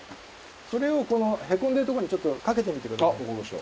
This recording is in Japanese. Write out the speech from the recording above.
それをこのへこんでる所にちょっとかけてみてください。